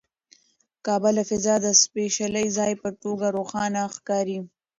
کعبه له فضا د سپېڅلي ځای په توګه روښانه ښکاري.